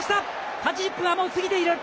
８０分はもう過ぎている。